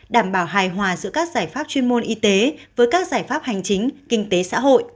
đảm bảo hài hòa giữa các giải pháp chuyên môn y tế với các giải pháp hành chính kinh tế xã hội